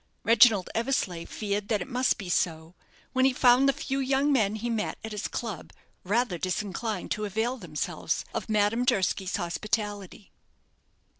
Reginald Eversleigh feared that it must be so, when he found the few young men he met at his club rather disinclined to avail themselves of Madame Durski's hospitality.